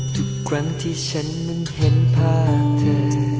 ทุกครั้งที่ฉันมึงเห็นภาพเธอ